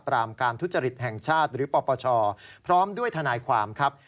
การทุจริตแห่งชาติหรือปปชพร้อมด้วยทนายความครับ